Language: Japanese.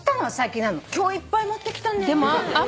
今日いっぱい持ってきたね。